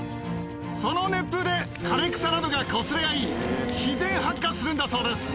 その熱風で枯れ草などがこすれ合い、自然発火するんだそうです。